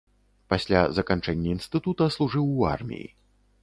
Пасля заканчэння інстытута служыў у арміі.